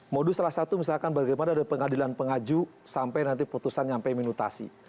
modus salah satu misalkan bagaimana dari pengadilan pengaju sampai nanti putusan nyampe minutasi